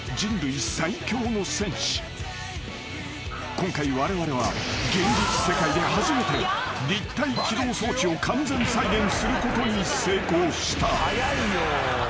［今回われわれは現実世界で初めて立体機動装置を完全再現することに成功した］